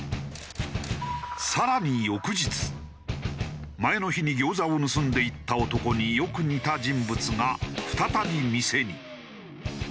更に翌日前の日に餃子を盗んでいった男によく似た人物が再び店に。